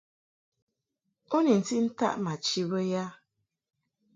U ni ntiʼ ntaʼ ma chi bə ya ?